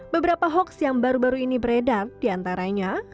beberapa hoax yang baru baru ini beredar diantaranya